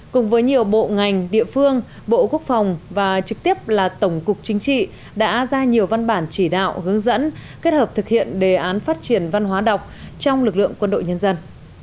cùng với nhiều bộ ngành địa phương bộ quốc phòng và trực tiếp là tổng cục chính trị đã ra nhiều văn bản chỉ đạo hướng dẫn kết hợp thực hiện đề án phát triển văn hóa đọc trong lực lượng quân đội nhân dân